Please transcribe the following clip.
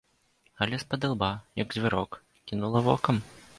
Але спадылба, як звярок, кінула вокам.